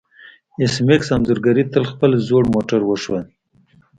ایس میکس انځورګرې ته خپل زوړ موټر وښود